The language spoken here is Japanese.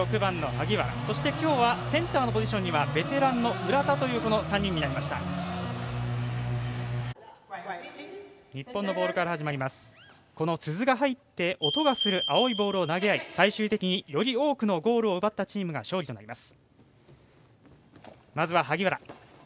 この鈴が入って音がする青いボールを投げあい最終的により多くのゴールを奪ったチームがの勝利となります。